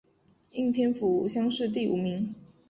应天府乡试第五名。